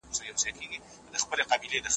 تاسو باید د مقالي لپاره یو ښه پلان ولرئ.